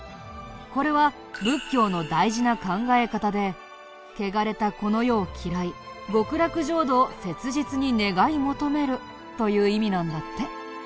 これは仏教の大事な考え方でけがれたこの世を嫌い極楽浄土を切実に願い求めるという意味なんだって。